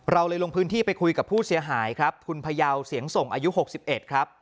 เราเลยลงพื้นที่ไปคุยกับผู้เสียหายครับคุณพยาวเสียงส่งอายุ๖๑ครับ